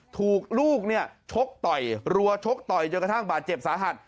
ถูกลูกเนี่ยชกต่อยรัวชกต่อยจนกระทั่งบาดเจ็บสาหัส